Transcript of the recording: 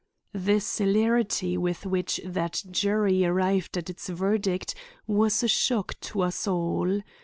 The celerity with which that jury arrived at its verdict was a shock to us all.